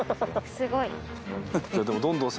すごい。